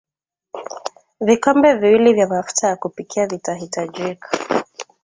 vikombe mbili vya mafuta ya kupikia vitahitajika